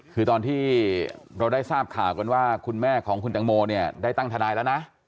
คือตอนที่เราได้ทราบข่าวกันว่าคุณแม่ของคุณตังโมเนี่ยได้ตั้งทนายแล้วนะ